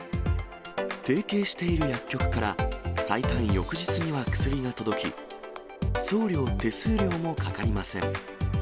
提携している薬局から、最短翌日には薬が届き、送料、手数料もかかりません。